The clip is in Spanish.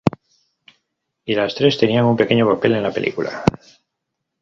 Y las tres tenían un pequeño papel en la película.